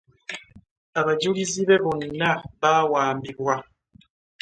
Abajulizi be bonna baawambibwa